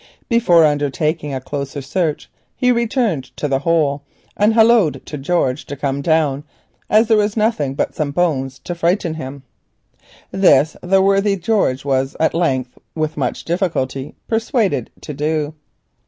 Before undertaking a closer search he went under the hole and halloaed to George to come down as there was nothing but some bones to frighten him. This the worthy George was at length with much difficulty persuaded to do.